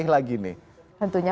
iya gitu apa tujuannya